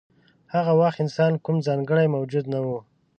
هغه وخت انسان کوم ځانګړی موجود نه و.